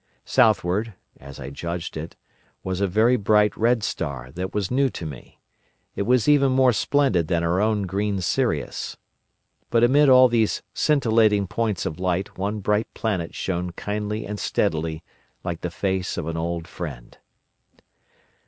Southward (as I judged it) was a very bright red star that was new to me; it was even more splendid than our own green Sirius. And amid all these scintillating points of light one bright planet shone kindly and steadily like the face of an old friend.